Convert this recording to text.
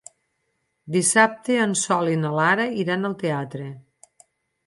Dissabte en Sol i na Lara iran al teatre.